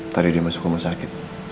tadi dia masuk rumah sakit